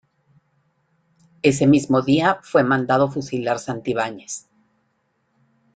Ese mismo día fue mandado fusilar Santibáñez.